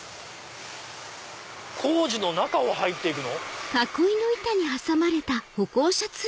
工事の中を入って行くの？